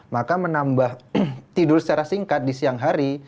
maka menambah tidur secara singkat di siang hari